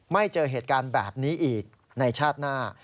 ไม่เจอเหตุการณ์แบบนี้อีกในชาติหน้า